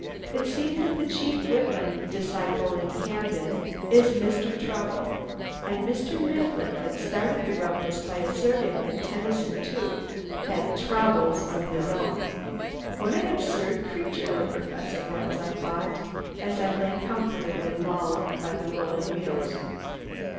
It seems that the chief Whitman disciple in Camden is Mr. Traubel; and Mr. Mifflin had started the rumpus by asserting that Tennyson, too, had "Traubels of his own." What an absurd creature the Professor was, I thought, as I lay comfortably lulled by the rolling wheels.